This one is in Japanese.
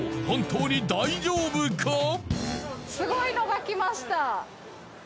本当に大丈夫か？